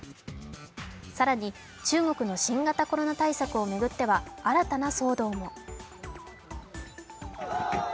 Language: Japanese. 更に中国の新型コロナ対策を巡っては新たな騒動も。